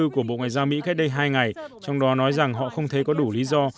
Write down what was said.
của bộ ngoại giao mỹ cách đây hai ngày trong đó nói rằng họ không thấy có đủ lý do